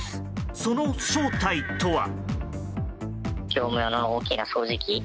その正体とは？